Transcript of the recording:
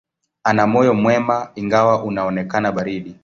Ana moyo mwema, ingawa unaonekana baridi.